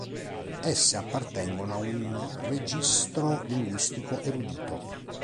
Esse appartengono a un registro linguistico erudito.